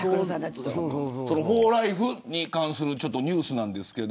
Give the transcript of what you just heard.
そのフォーライフに関するニュースです。